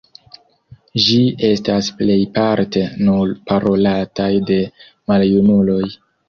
Ĝi estas plejparte nur parolataj de maljunuloj.